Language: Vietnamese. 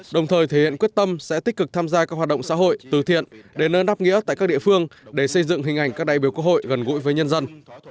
đồng thời thể hiện quyết tâm sẽ tích cực tham gia các hoạt động xã hội từ thiện đến nơi đáp nghĩa tại các địa phương để xây dựng hình ảnh các đại biểu quốc hội gần gũi với nhân dân